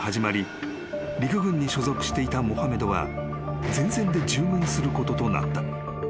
陸軍に所属していたモハメドは前線で従軍することとなった］